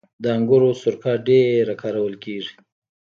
د انګورو سرکه ډیره کارول کیږي.